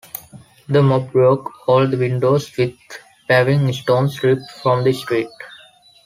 The mob broke all the windows with paving stones ripped from the street.